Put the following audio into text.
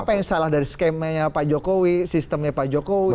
apa yang salah dari skemanya pak jokowi sistemnya pak jokowi